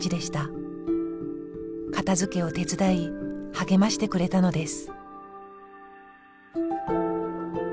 片づけを手伝い励ましてくれたのです。